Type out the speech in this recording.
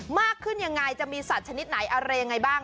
มากขึ้นยังไงจะมีสัตว์ชนิดไหนอะไรยังไงบ้าง